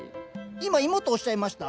今芋とおっしゃいました？